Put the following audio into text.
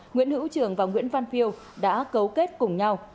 nguyễn hữu trường và nguyễn văn phiêu đã cấu kết cùng nhau